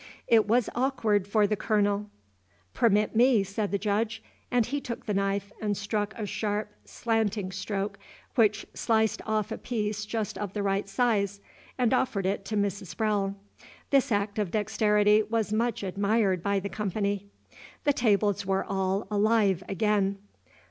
It was awkward for the Colonel. "Permit me," said the Judge, and he took the knife and struck a sharp slanting stroke which sliced off a piece just of the right size, and offered it to Mrs. Sprowle. This act of dexterity was much admired by the company. The tables were all alive again.